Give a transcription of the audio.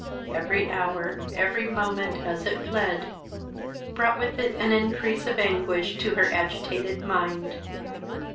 Every hour, every moment, as it fled, brought with it an increase of anguish to her agitated mind.